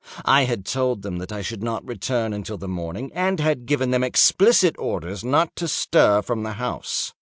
I had told them that I should not return until the morning, and had given them explicit orders not to stir from the house.